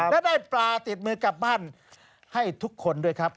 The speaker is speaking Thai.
และได้ปลาติดมือกลับบ้านให้ทุกคนด้วยครับ